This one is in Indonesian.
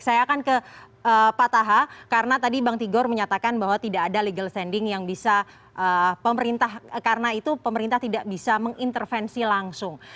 saya akan ke pak taha karena tadi bang tigor menyatakan bahwa tidak ada legal standing yang bisa pemerintah karena itu pemerintah tidak bisa mengintervensi langsung